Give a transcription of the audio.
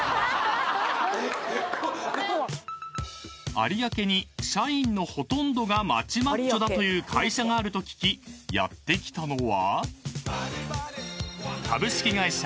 ［有明に社員のほとんどが街マッチョだという会社があると聞きやって来たのは］